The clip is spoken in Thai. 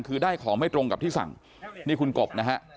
คือได้ของไม่ตรงกับที่สั่งนี่คุณกบนะฮะ